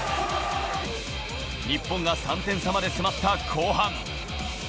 日本が３点差まで迫った後半。